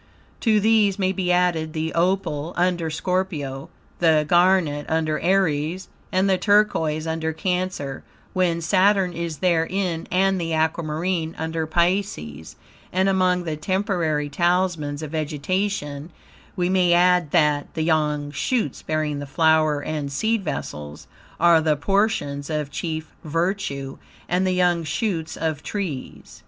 To these may be added the opal, under Scorpio; the garnet, under Aries; and the turquoise, under Cancer, when Saturn is therein; and the aquamarine, under Pisces; and among the temporary talismans of vegetation we may add that, the young shoots, bearing the flower and seed vessels, are the portions of chief virtue, and the young shoots of trees.